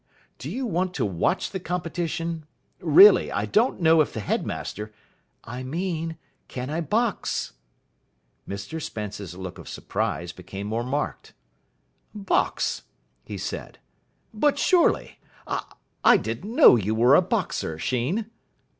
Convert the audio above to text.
Do you want to watch the competition? Really, I don't know if the headmaster " "I mean, can I box?" Mr Spence's look of surprise became more marked. "Box?" he said. "But surely I didn't know you were a boxer, Sheen."